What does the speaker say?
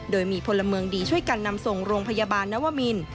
โดยมีพลเมืองดีช่วยกันนำส่งโรงพยาบาลนวมิน